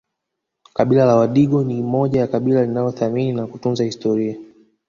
Kabila la wadigo ni moja ya kabila linalothamini na kutunza historia